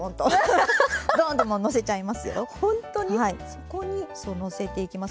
そうのせていきます。